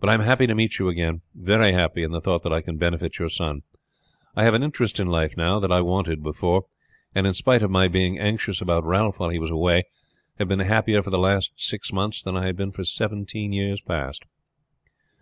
But I am happy to meet you again. Very happy in the thought that I can benefit your son. I have an interest in life now that I wanted before; and in spite of my being anxious about Ralph while he was away, have been happier for the last six months than I have been for seventeen years past."